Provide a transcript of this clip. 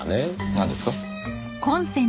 なんですか？